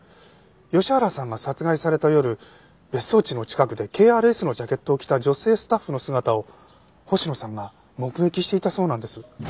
吉原さんが殺害された夜別荘地の近くでＫＲＳのジャケットを着た女性スタッフの姿を星野さんが目撃していたそうなんです。